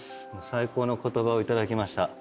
最高の言葉を頂きました。